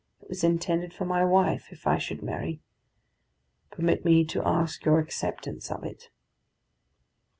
It was intended for my wife if I should marry. Permit me to ask your acceptance of it."